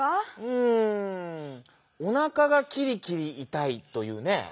うん「おなかがきりきりいたい」というねぇ。